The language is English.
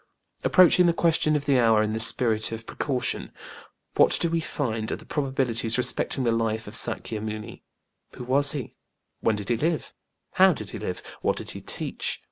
Approaching the question of the hour in this spirit of precaution, what do we find are the probabilities respecting the life of SÄkya Muni? Who was he? When did he live? How did he live? What did he teach?